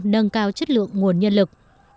nâng cao chất lượng nguồn nhân lực